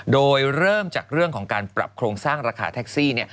โดยเริ่มจากเรื่องของการปรับโครงสร้างราคาแท็กซี่